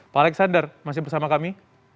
pak alexander masih bersama kami